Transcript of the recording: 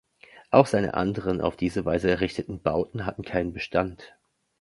Auch seine anderen auf diese Weise errichteten Bauten hatten keinen Bestand.